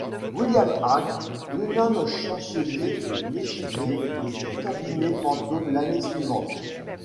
William Hague le nomme Chancelier de l'Échiquier de son cabinet fantôme l'année suivante.